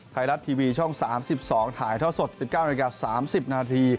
ไทยรัฐทีวีช่อง๓๒ถ่ายทอดสด๑๙น๓๐น